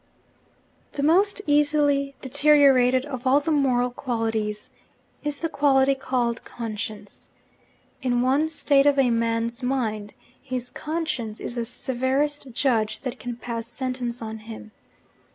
The most easily deteriorated of all the moral qualities is the quality called 'conscience.' In one state of a man's mind, his conscience is the severest judge that can pass sentence on him.